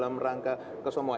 dalam rangka kesemua